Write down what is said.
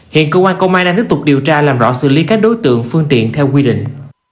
hiện cơ quan công an đang tiếp tục điều tra làm rõ xử lý các đối tượng phương tiện theo quy định